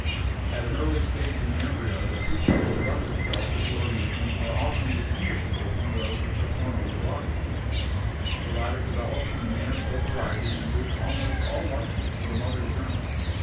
At an early stage in the embryo, the future reproductive cells of the organism are often distinguishable from those which are forming the body. 250 BIOLOGY The latter develop in manifold variety and lose almost all likeness to the mother germ.